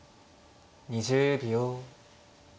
２０秒。